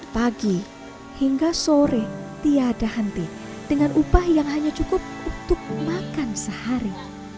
pagi hingga sore tiada henti dengan upah yang hanya cukup untuk makan sehari